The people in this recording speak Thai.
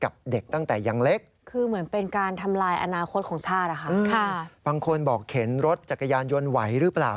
บางคนบอกเข็นรถจักรยานยนต์ไหวหรือเปล่า